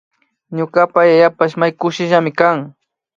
Ñukapa yayapash may kushillami kan